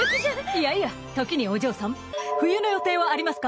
いやいや時にお嬢さん冬の予定はありますか？